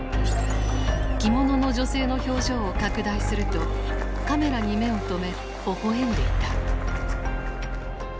着物の女性の表情を拡大するとカメラに目を止めほほ笑んでいた。